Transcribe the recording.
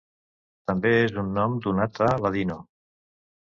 També és un nom donat a Ladino.